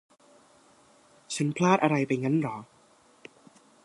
ฉันพลาดอะไรไปงั้นเหรอ ?